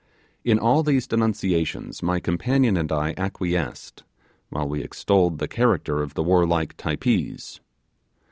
In all these denunciations my companion and I acquiesced, while we extolled the character of the warlike Typees.